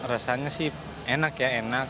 rasanya sih enak ya enak